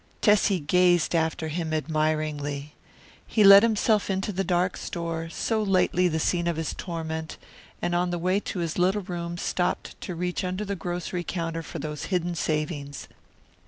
Tessie gazed after him admiringly. He let himself into the dark store, so lately the scene of his torment, and on the way to his little room stopped to reach under the grocery counter for those hidden savings.